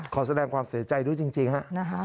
ขอแสดงความเสียใจด้วยจริงฮะ